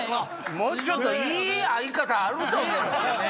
もうちょっといい会い方あると思うんですよね。